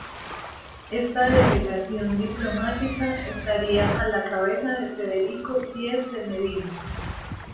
Esta delegación diplomática estaría a la cabeza de Federico Diez de Medina.